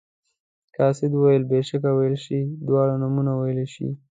قاصد وویل بېشکه ویلی شي دواړه نومه ویلی شي.